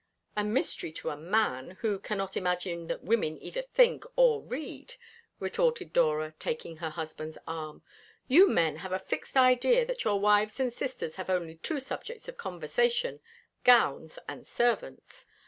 "A mystery to a man, who cannot imagine that women either think or read," retorted Dora, taking her husband's arm. "You men have a fixed idea that your wives and sisters have only two subjects of conversation, gowns and servants.